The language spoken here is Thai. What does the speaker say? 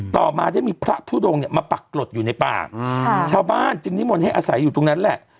ต่อมาได้มีพระทุดงเนี่ยมาปรากฏอยู่ในป่าชาวบ้านจึงนิมนต์ให้อาศัยอยู่ตรงนั้นแหละ